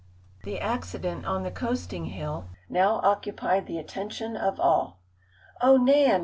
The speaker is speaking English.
The accident on the coasting hill now occupied the attention of all. "Oh, Nan!